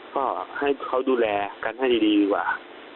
ก็ให้เขาดูแลกันให้ดีดีกว่า